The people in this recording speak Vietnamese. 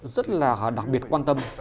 rất là đặc biệt quan tâm